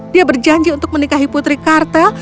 dia berjanji untuk menikahi putri kartel